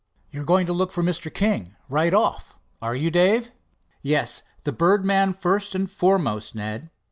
"You're going to look for Mr. King right off, are you, Dave?" "Yes, the birdman first and foremost, Ned.